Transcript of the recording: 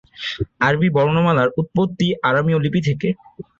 আরবি বর্ণমালার উৎপত্তি আরামীয় লিপি থেকে।